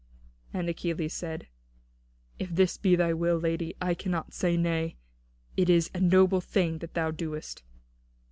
And Achilles said: "If this be thy will, lady, I cannot say nay. It is a noble thing that thou doest."